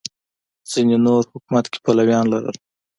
ځینې نور حکومت کې پلویان لرل